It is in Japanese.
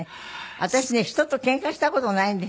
私ね人とケンカした事ないんですよ。